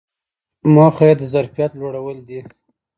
موخه یې د ظرفیت لوړول دي.